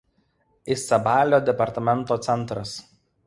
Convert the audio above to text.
Isabalio departamento centras.